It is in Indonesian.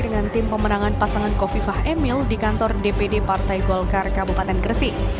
dengan tim pemenangan pasangan kofifah emil di kantor dpd partai golkar kabupaten gresik